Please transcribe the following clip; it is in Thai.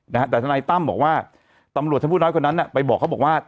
ได้แข่วงให้ตั้มแล้วว่าต้องบอกเราจรับกรณ์นะไปบอกเขาบอกว่า